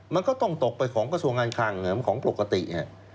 มันก็ต้องตกไปของกระทรวงการคลังของปกติ